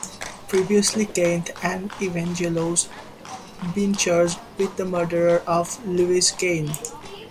Previously Keith and Evangelos been charged with the murder of Lewis Caine.